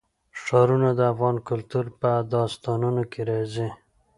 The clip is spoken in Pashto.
ښارونه د افغان کلتور په داستانونو کې راځي.